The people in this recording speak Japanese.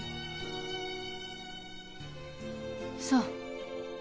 そう。